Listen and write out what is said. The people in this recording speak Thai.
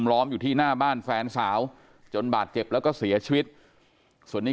ล้อมอยู่ที่หน้าบ้านแฟนสาวจนบาดเจ็บแล้วก็เสียชีวิตส่วนนี้